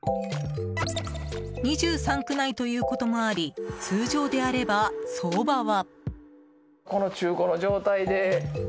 ２３区内ということもあり通常であれば、相場は。